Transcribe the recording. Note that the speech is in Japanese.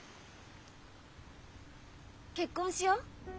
結婚しよう。